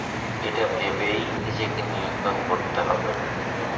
এটা ভেবেই নিজেকে নিয়ন্ত্রণ করতে হবে।